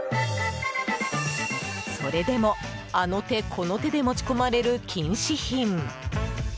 それでも、あの手この手で持ち込まれる禁止品。